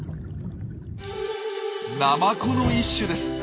ナマコの一種です。